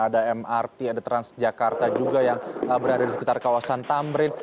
ada mrt ada transjakarta juga yang berada di sekitar kawasan tamrin